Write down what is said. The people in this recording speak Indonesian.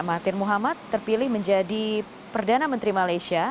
mahathir muhammad terpilih menjadi perdana menteri malaysia